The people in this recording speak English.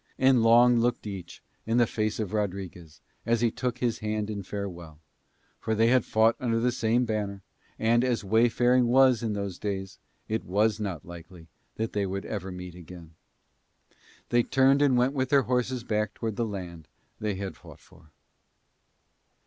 And long looked each in the face of Rodriguez as he took his hand in fare well, for they had fought under the same banner and, as wayfaring was in those days, it was not likely that they would ever meet again. They turned and went with their horses back towards the land they had fought for.